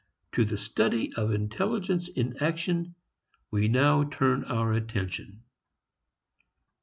To the study of intelligence in action we now turn our attention.